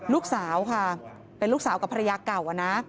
ลูกสาวค่ะเป็นลูกสาวกับภรรยาเก่าอะนะ